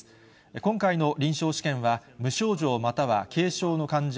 今回の臨床試験は、無症状または軽症の患者